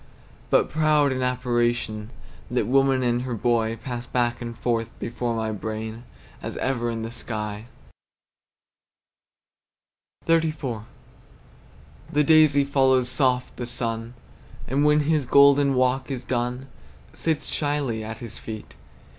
But proud in apparition, That woman and her boy Pass back and forth before my brain, As ever in the sky. XXXIV. The daisy follows soft the sun, And when his golden walk is done, Sits shyly at his feet.